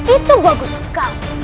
itu bagus sekali